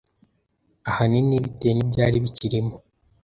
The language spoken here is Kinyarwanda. ahanini bitewe nibyari bikirimo.